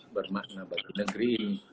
bermakna bagi negeri